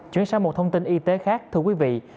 chuyển sang một thông tin y tế khác thưa quý vị